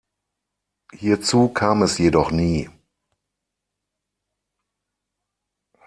Hierzu kam es jedoch nie.